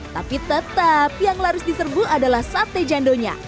tapi tetap yang laris diserbu adalah sate jando nya